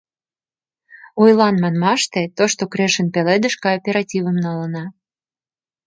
Ойлан манмаште, Тошто Крешын «Пеледыш» кооперативым налына.